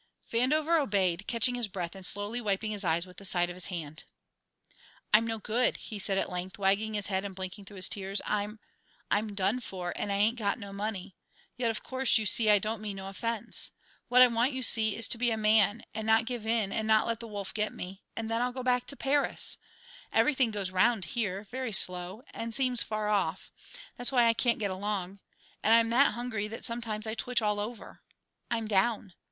Vandover obeyed, catching his breath and slowly wiping his eyes with the side of his hand. "I'm no good!" he said at length, wagging his head and blinking through his tears. "I'm I'm done for and I ain't got no money; yet, of course, you see I don't mean no offence. What I want, you see, is to be a man and not give in and not let the wolf get me, and then I'll go back to Paris. Everything goes round here, very slow, and seems far off; that's why I can't get along, and I'm that hungry that sometimes I twitch all over. I'm down.